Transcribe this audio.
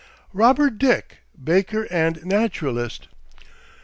ROBERT DICK, BAKER AND NATURALIST.